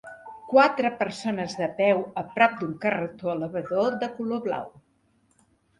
Quatre persones de peu a prop d"un carretó elevador de color blau.